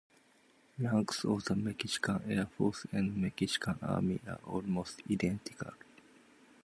Ranks of the Mexican Air Force and Mexican Army are almost identical.